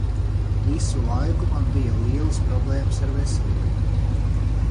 Visu laiku man bija lielas problēmas ar veselību.